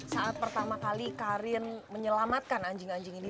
saat pertama kali karin menyelamatkan anjing anjing ini